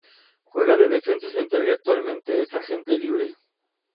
Juega de defensa central y actualmente es agente libre.